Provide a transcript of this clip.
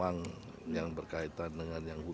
uang uang yang berkaitan dengan masalah uang uang